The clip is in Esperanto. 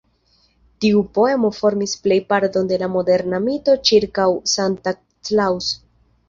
Tiu poemo formis plejparton de la moderna mito ĉirkaŭ Santa Claus.